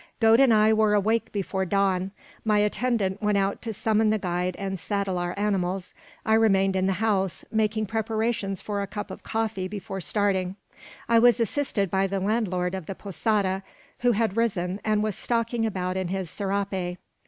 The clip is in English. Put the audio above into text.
Gode and I were awake before dawn. My attendant went out to summon the guide and saddle our animals. I remained in the house, making preparations for a cup of coffee before starting. I was assisted by the landlord of the posada, who had risen, and was stalking about in his serape.